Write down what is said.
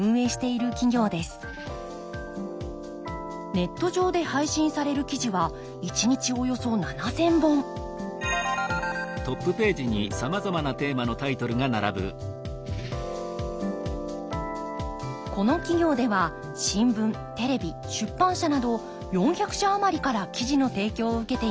ネット上で配信される記事は一日およそ７，０００本この企業では新聞テレビ出版社など４００社余りから記事の提供を受けています。